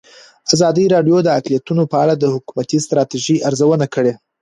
ازادي راډیو د اقلیتونه په اړه د حکومتي ستراتیژۍ ارزونه کړې.